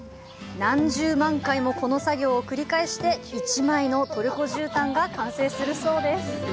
何十万回もこの作業を繰り返して１枚のトルコ絨毯が完成するそうです。